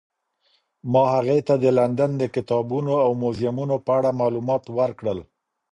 ما هغې ته د لندن د کتابتونونو او موزیمونو په اړه معلومات ورکړل.